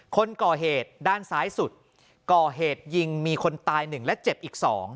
คนก่อเหตุด้านซ้ายสุดก่อเหตุยิงมีคนตาย๑และเจ็บอีก๒